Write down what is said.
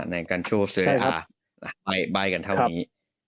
ในการโชว์ซื้อไปกันเท่านี้